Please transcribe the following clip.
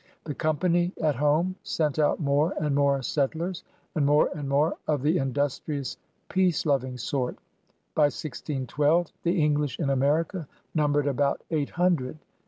T^he Company at home sent out more and more settlers, and more and more of the industrious, peace loving sort. By 1612 the English in America numbered about eight himdred.